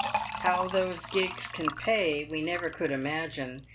How those gigs can " pay" we never could imagine.